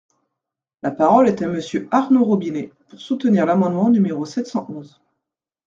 La parole est à Monsieur Arnaud Robinet, pour soutenir l’amendement numéro sept cent onze.